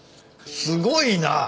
すごいな。